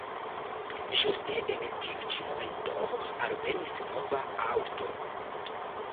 Ĝuste en tiu ĉi momento alvenis nova aŭto.